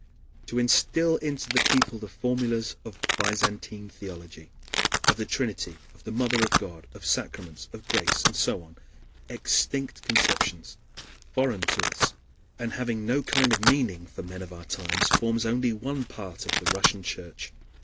To instill into the people the formulas of Byzantine theology, of the Trinity, of the Mother of God, of Sacraments, of Grace, and so on, extinct conceptions, foreign to us, and having no kind of meaning for men of our times, forms only one part of the work of the Russian Church.